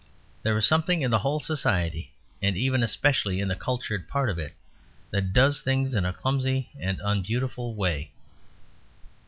There is something in the whole society, and even especially in the cultured part of it, that does things in a clumsy and unbeautiful way.